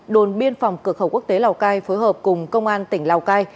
đồn biên phòng cửa khẩu quốc tế lào cai phối hợp cùng công an tỉnh lào cai